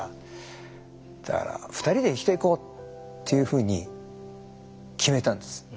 だから２人で生きていこうっていうふうに決めたんです。